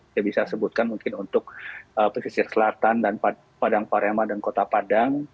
saya bisa sebutkan mungkin untuk pesisir selatan dan padang parema dan kota padang